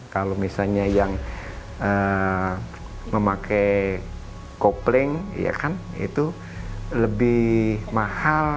kalau misalnya yang memakai kopling itu lebih mahal